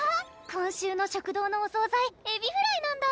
今週の食堂のお総菜エビフライなんだ！